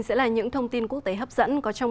sẽ là những thông tin quốc tế hấp dẫn có trong